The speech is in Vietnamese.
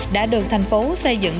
đã được thành phố xây dựng